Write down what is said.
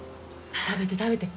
食べて食べて。